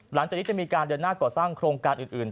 หลังจากนี้จะมีการเดินหน้าก่อสร้างโครงการอื่น